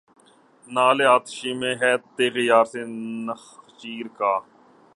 نعل آتش میں ہے تیغ یار سے نخچیر کا